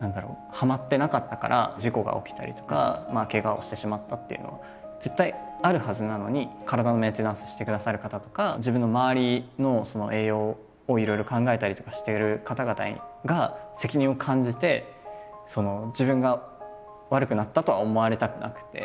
はまってなかったから事故が起きたりとかケガをしてしまったっていうのは絶対あるはずなのに体のメンテナンスしてくださる方とか自分の周りの栄養をいろいろ考えたりとかしてる方々が責任を感じて自分が悪くなったとは思われたくなくて。